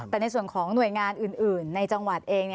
แต่ในส่วนของหน่วยงานอื่นในจังหวัดเอง